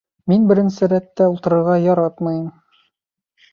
Мин беренсе рәттә ултырырға яратмайым